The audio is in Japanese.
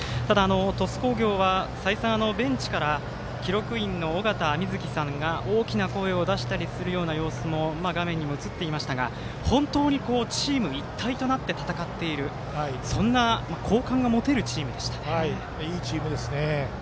鳥栖工業は再三、ベンチから記録員の緒方美月さんが大きな声を出したりするような様子も画面にも映っていましたが本当にチーム一体となって戦っている、そんな好感が持てるいいチームですね。